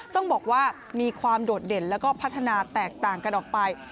ต้องบอกว่ามีความโดดเด่นแล้วก็พัฒนาแตกต่างกันออกไป